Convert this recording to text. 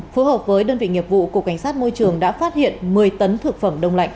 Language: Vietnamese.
phối hợp với đơn vị nghiệp vụ cục cảnh sát môi trường đã phát hiện một mươi tấn thực phẩm đông lạnh